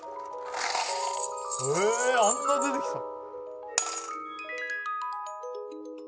あんな出てきた。